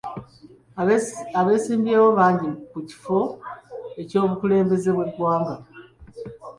Abesimbyewo bangi ku kifo ky'obukulembeze bw'eggwanga..